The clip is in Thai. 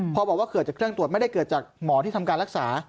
พอบอกว่าเกิดจากเครื่องตรวจไม่ได้เกิดจากหมอที่ทำการรักษา